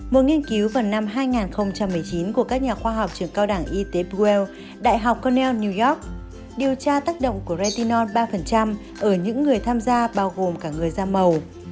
một nghiên cứu vào năm hai nghìn một mươi chín của các nhà khoa học trường cao đẳng y tế pwell đại học connel new york điều tra tác động của retinon ba ở những người tham gia bao gồm cả người da màu